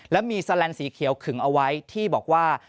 แล้วมีแลนสีเขียวขึงเอาไว้ที่บอกว่า